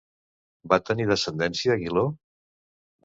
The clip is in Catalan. Va tenir descendència Aguiló?